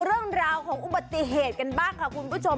เรื่องราวของอุบัติเหตุกันบ้างค่ะคุณผู้ชม